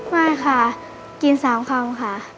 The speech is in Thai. ไม่ค่ะกิน๓คำค่ะ